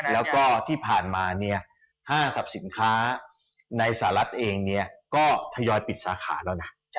แล้วก็ที่ผ่านมาห้างสรรพสินค้าในสหรัฐเองก็ทยอยปิดสาขาแล้วนะ